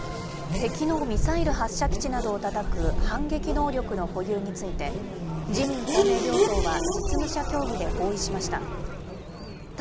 敵のミサイル発射基地などをたたく反撃能力の保有について、自民、公明両党は実務者協議で合意しました。